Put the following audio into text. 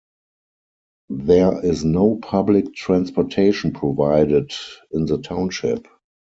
There is no public transportation provided in the township.